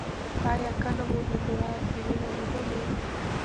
ایا کله مو ادرار کې وینه لیدلې؟